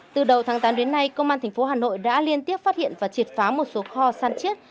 từ đầu tháng tám đến nay công an tp hà nội đã liên tiếp phát hiện và triệt phá một số kho săn chiết